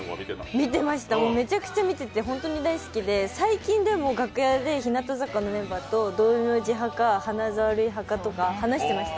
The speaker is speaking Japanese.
見てました、めちゃくちゃ見てて、本当に大好きで最近でも楽屋で日向坂のメンバーで道明寺派か花沢類派かで話してました